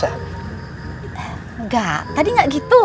enggak tadi gak gitu